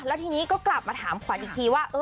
แล้วทีนี้ก็กลับมาถามขวัญอีกทีว่า